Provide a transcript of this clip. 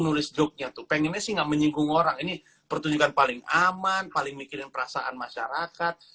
nulis joke nya tuh pengennya sih nggak menyinggung orang ini pertunjukan paling aman paling mikirin perasaan masyarakat